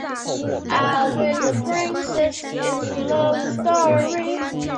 曲目一览曲目一览曲目一览